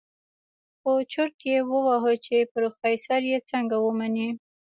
خو چورت يې وهه چې په پروفيسر يې څنګه ومني.